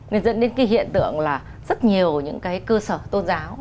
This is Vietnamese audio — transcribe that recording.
nên dẫn đến cái hiện tượng là rất nhiều những cái cơ sở tôn giáo